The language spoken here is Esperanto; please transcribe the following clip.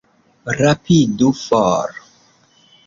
Rapidu, for!